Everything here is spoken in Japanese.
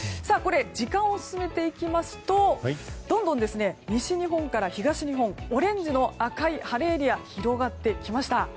時間を進めていきますとどんどん西日本から東日本オレンジや赤い晴れエリア広がってきました。